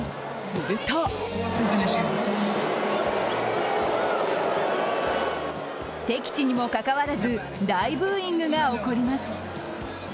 すると敵地にもかかわらず大ブーイングが起こります。